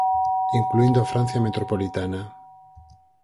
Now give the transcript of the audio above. Incluíndo a Francia metropolitana.